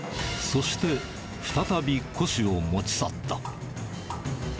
そして、再び古紙を持ち去った。